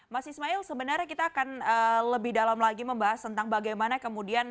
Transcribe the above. mas ismail sebenarnya kita akan lebih dalam lagi membahas tentang bagaimana kemudian